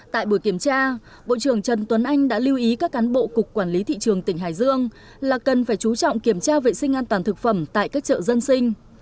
tại buổi kiểm tra bộ trưởng trần tuấn anh đã lưu ý các cán bộ cục quản lý thị trường tỉnh hải dương là cần phải chú trọng kiểm tra vệ sinh an toàn thực phẩm tại các chợ dân sinh